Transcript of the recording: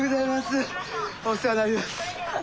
お世話になります。